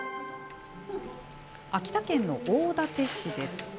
秋田県の大館市です。